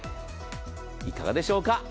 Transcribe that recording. いかがでしょうか。